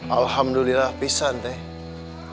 alhamdulillah pisah tete